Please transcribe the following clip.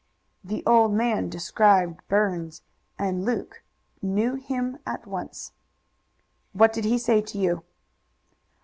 The old man described Burns, and Luke knew him at once. "What did he say to you?"